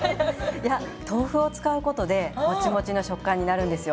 いや豆腐を使うことでモチモチの食感になるんですよ。